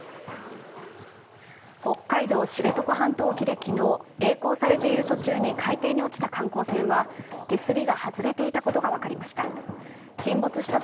北海道知床半島沖で昨日えい航されている途中に海底に落ちた観光船は手すりが外れていたことが分かりました。